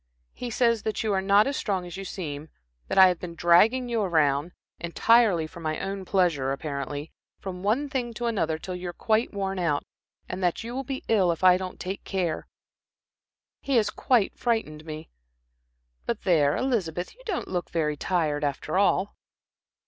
He says that you are not as strong as you seem, that I have been dragging you around entirely for my own pleasure, apparently from one thing to another till you are quite worn out, and that you will be ill if I don't take care. He has quite frightened me. But there, Elizabeth, you don't look so very tired, after all."